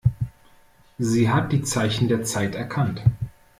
Sie hat die Zeichen der Zeit erkannt.